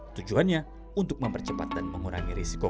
tujuannya untuk mempercepat dan mengurangi risiko